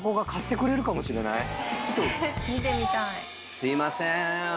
すいません。